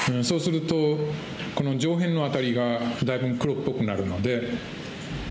そうするとこの上辺のあたりがだいぶん黒っぽくなるので。